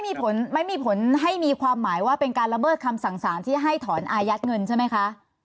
ไม่มีผลไม่มีผลให้มีความหมายว่าเป็นการละเมิดคำสั่งสารที่ให้ถอนอายัดเงินใช่ไหมคะ